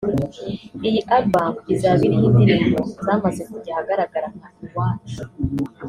Iyi album izaba iriho indimbo zamaze kujya ahagaragara nka Iwacu